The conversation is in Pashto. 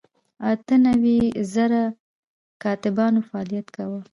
اته نوي زره کاتبانو فعالیت کاوه.